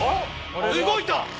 ・動いた！